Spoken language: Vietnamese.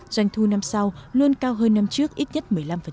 doanh thu năm sau luôn cao hơn năm trước ít nhất một mươi năm